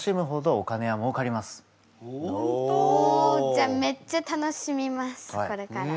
じゃあめっちゃ楽しみますこれから。